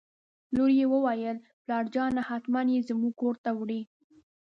لور یې وویل: پلارجانه حتماً یې زموږ کور ته وړي.